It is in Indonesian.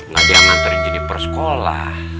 gak ada yang nganterin jeniper sekolah